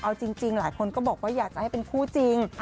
เอาจริงหลายคนก็บอกว่าอยากจะให้เป็นคู่จริง